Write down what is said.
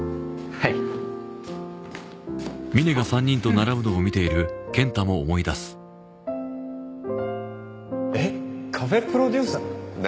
はいおっふふっえっカフェプロデューサー？